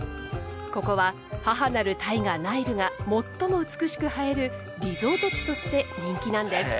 ここは母なる大河ナイルが最も美しく映えるリゾート地として人気なんです。